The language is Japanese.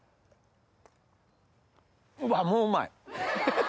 うわもううまい。